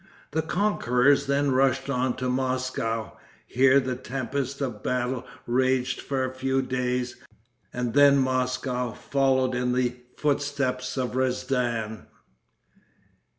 The conquerors then rushed on to Moscow. Here the tempest of battle raged for a few days, and then Moscow followed in the footsteps of Rezdan.